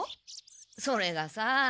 それがさ。